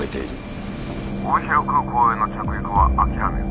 「帯広空港への着陸は諦める。